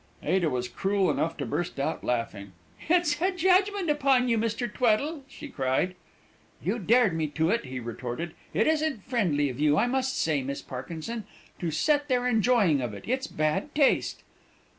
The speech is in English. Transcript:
Ada was cruel enough to burst out laughing. "It's a judgment upon you, Mr. Tweddle!" she cried. "You dared me to it!" he retorted. "It isn't friendly of you, I must say, Miss Parkinson, to set there enjoying of it it's bad taste!"